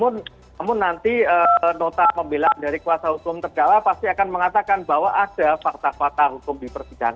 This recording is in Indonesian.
namun nanti nota pembelaan dari kuasa hukum terdakwa pasti akan mengatakan bahwa ada fakta fakta hukum di persidangan